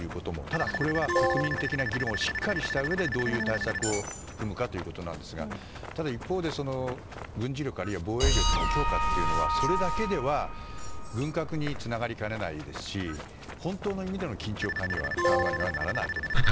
ただ、これは国民的な議論をしっかりとしたうえでどういう対策を踏むかということですがただ、一方で軍事力あるいは防衛力の強化というのはそれだけでは軍拡につながりかねないですし本当の意味での緊張緩和にはならないと思います。